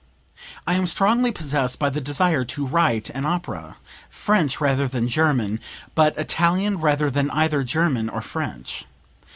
"I am strongly possessed by the desire to write an opera French rather than German, but Italian rather than either German or French.